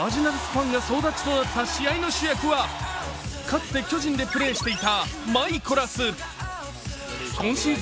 ファンが総立ちとなった試合の主役はかつて巨人でプレーしていたマイコラス。